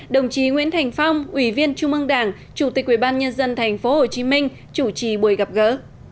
đồng chí nguyễn thành phong ủy viên trung mương đảng chủ tịch quỹ ban nhân dân tp hcm chủ trì buổi gặp gỡ